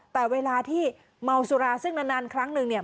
แต่เวลาที่เมาสุราซึ่งนานครั้งนึงเนี่ย